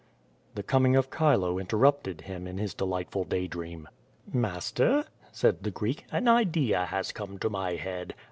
The coming of Chilo interrupted him in his delightful day dream. "Master," said the Greek, "an idea has come to my head.